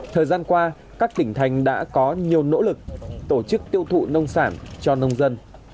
thời gian qua các tỉnh thành đã có nhiều nỗ lực tổ chức tiêu thụ nông sản cho nông dân